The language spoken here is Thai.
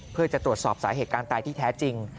เพื่อจะตรวจสอบสาเหตุการณ์ตายที่แท้จริง